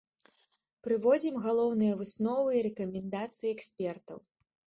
Прыводзім галоўныя высновы і рэкамендацыі экспертаў.